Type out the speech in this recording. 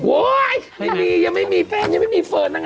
โอ๊ยไม่มียังไม่มีแฟนยังไม่มีเฟิร์นนั่นกันค่ะ